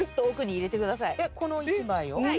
この１枚を？